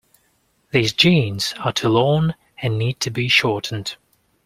These jeans are too long, and need to be shortened.